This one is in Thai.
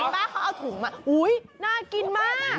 เขาเอาถุงมาหูยน่ากินมาก